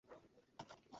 আর helmet পরেই বেচি।